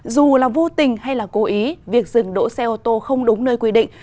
dù là vô tình hay là cố ý việc dừng đỗ xe ô tô không đúng nơi quy định